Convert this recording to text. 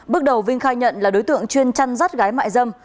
bước đầu vinh khai nhận là đối tượng chuyên chăn rắt gái mại dâm